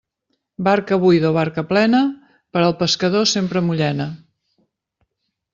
Barca buida o barca plena, per al pescador sempre mullena.